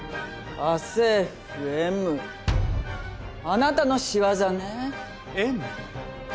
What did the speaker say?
あなたの仕業ね？